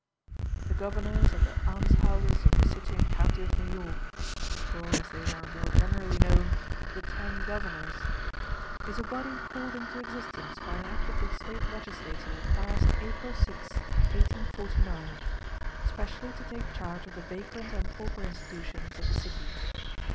"The Governors of the Alms House of the City and County of New York," or, as they are more generally known, "The Ten Governors," is a body called into existence by an act of the State Legislature passed April 6, 1849, specially to take charge of the vagrant and pauper institutions of the city.